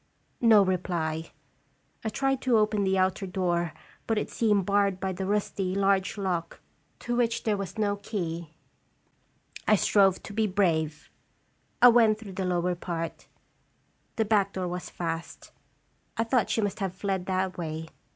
No reply. I tried to open the outer door, but it seemed barred by the rusty, large lock, to which there was no key. I strove to be brave. I went through the lower part. The back door was fast. I thought she must have fled that way.